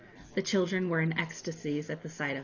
The children were in ecstasies at the sight of them.